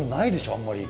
あんまり。